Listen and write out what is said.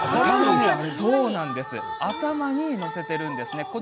頭に載せているんですね。